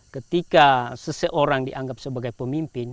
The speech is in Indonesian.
ketika seseorang dianggap sebagai pemimpin